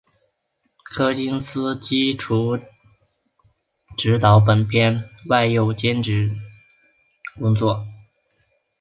柯金斯基除执导本片外又兼任监制工作。